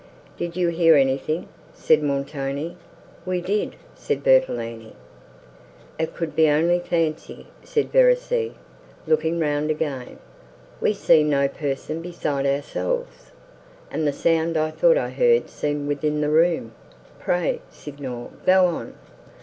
"Did you hear anything?" said Montoni. "We did," said Bertolini. "It could be only fancy," said Verezzi, looking round again. "We see no person besides ourselves; and the sound I thought I heard seemed within the room. Pray, Signor, go on."